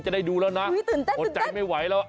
จะได้ดูแล้วนะนะอาจใจไม่ไหวละอุ๊ยตื่นเต้น